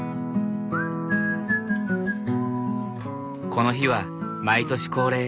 この日は毎年恒例